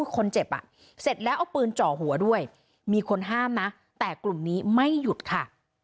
คนเจ็บอ่ะเสร็จแล้วเอาปืนเจาะหัวด้วยมีคนห้ามนะแต่กลุ่มนี้ไม่หยุดค่ะ